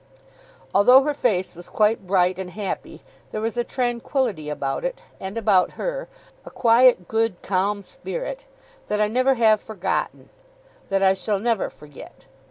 Although her face was quite bright and happy, there was a tranquillity about it, and about her a quiet, good, calm spirit that I never have forgotten; that I shall never forget.